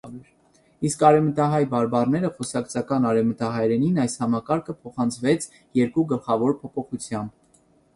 Իսկ արեւմտահայ բարբառներէն խօսակցական արեւմտահայերէնին այս համակարգը փոխանցուեցաւ երկու գլխաւոր փոփոխութեամբ։